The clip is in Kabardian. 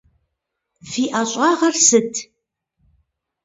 Фи ӏэщӏагъэр сыт?